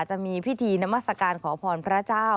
จะมีพิธีนามัศกาลขอพรพระเจ้า